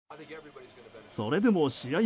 それでも試合